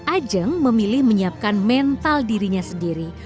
ajeng memilih menyiapkan mental dirinya sendiri